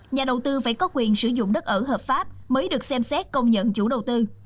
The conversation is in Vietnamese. nhà đầu tư phải có quyền sử dụng đất ở hợp pháp mới được xem xét công nhận chủ đầu tư